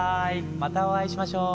またお会いしましょう。